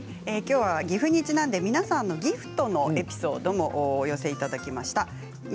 きょうは岐阜にちなんで皆さんのギフトのエピソードもお寄せいただきました。